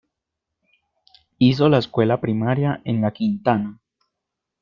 Hizo la escuela primaria en La Quintana.